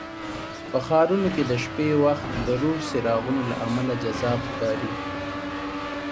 په ښارونو کې د شپې وخت د روڼ څراغونو له امله جذاب ښکاري.